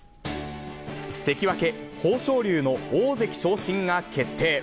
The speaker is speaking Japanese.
関脇・豊昇龍の大関昇進が決定。